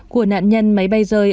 của nạn nhân máy bay rơi